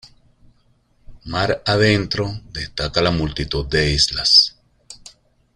Mar adentro destaca la multitud de islas.